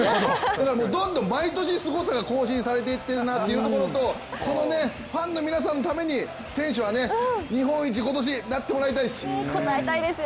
だからどんどん毎年すごさが更新されていっているなというのとこのファンの皆さんのために選手はね、日本一今年なってもらいたいです。